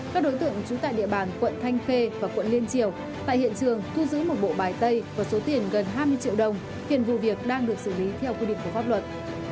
các đối tượng trú tại địa bàn quận thanh khê và quận liên triều tại hiện trường thu giữ một bộ bài tay và số tiền gần hai mươi triệu đồng hiện vụ việc đang được xử lý theo quy định của pháp luật